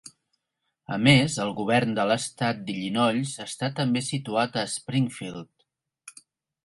A més, el Govern de l'Estat d'Illinois està també situat a Springfield.